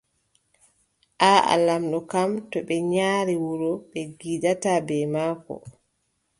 Aaʼa., Lamɗo kam, too ɓe nyari wuro, ɓe ngiidaata bee maako.